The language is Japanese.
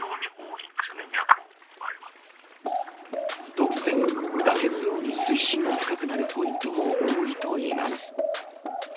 突然、崖のように水深が深くなるポイントも多いといいます。